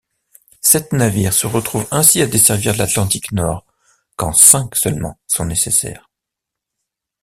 Sept navires se retrouvent ainsi à desservir l'Atlantique Nord quand cinq seulement sont nécessaires.